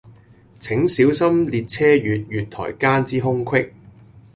請小心列車與月台間之空隙